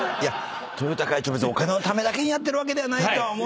豊田会長別にお金のためだけにやってるわけではないとは思う。